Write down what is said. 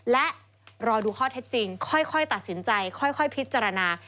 และรอดูข้อเท็จจริงค่อยตัดสินใจค่อยพิจารณา